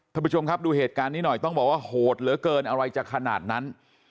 ท่านผู้ชมครับดูเหตุการณ์นี้หน่อยต้องบอกว่าโหดเหลือเกินอะไรจะขนาดนั้น